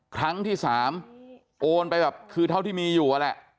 ครั้งที่๓โอนไปแบบคือเท่าที่มีอยู่นั่นแหละ